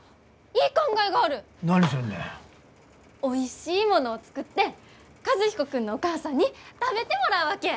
おいしいものを作って和彦君のお母さんに食べてもらうわけ！